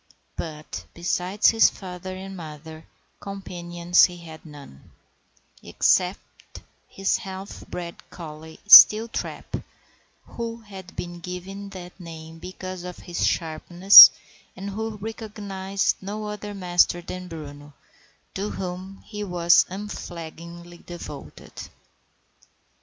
But, besides his father and mother, companions he had none, except his half bred collie, Steeltrap, who had been given that name because of his sharpness, and who recognized no other master than Bruno, to whom he was unflaggingly devoted.